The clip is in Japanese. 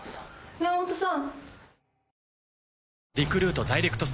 山本さん。